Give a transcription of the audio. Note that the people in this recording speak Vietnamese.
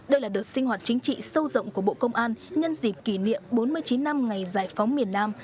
đây là đợt sinh hoạt chính trị sâu rộng của bộ công an nhân dịp kỷ niệm bốn mươi chín năm ngày giải phóng miền nam